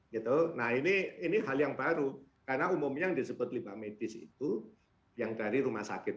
gitu nah ini hal yang baru karena umumnya yang disebut limbah medis itu yang dari rumah sakit